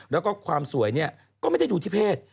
แล้วก็ความสวยเนี่ยก็ไม่ได้อยู่ที่เพศ